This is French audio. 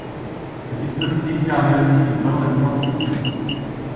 Ce dispositif permet aussi une bonne résistante sismique.